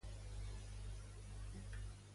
Com s'ha defensat el govern d'Iran?